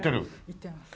いってます。